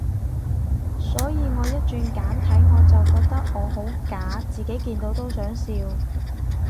所以我一轉簡體，我就覺得我好假，自己見到都想笑